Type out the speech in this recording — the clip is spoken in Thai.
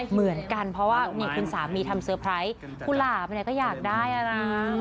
เหมือนกันเพราะว่านี่คุณสามีทำเซอร์ไพรส์กุหลาบเนี่ยก็อยากได้อะไร